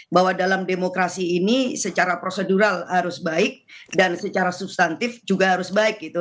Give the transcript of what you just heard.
bahwa dalam demokrasi ini secara prosedural harus baik dan secara substantif juga harus baik gitu